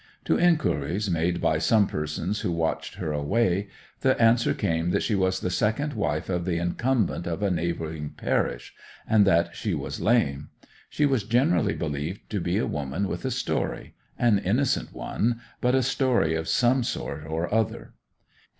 To inquiries made by some persons who watched her away, the answer came that she was the second wife of the incumbent of a neighbouring parish, and that she was lame. She was generally believed to be a woman with a story—an innocent one, but a story of some sort or other.